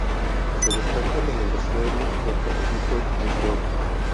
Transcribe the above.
Se destaca el aniversario de Caballito, entre otras.